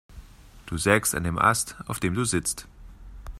Du sägst an dem Ast, auf dem du sitzt.